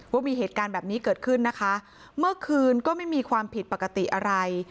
ว่ามีเหตุการณ์แบบนี้เกิดขึ้นนะคะเมื่อคืนก็ไม่มีความผิดปกติอะไร